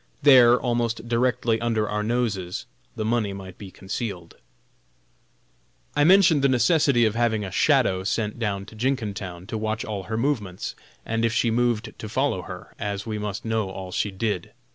There, almost directly under our noses, the money might be concealed. I mentioned the necessity of having a "shadow" sent down to Jenkintown, to watch all her movements, and if she moved to follow her, as we must know all she did.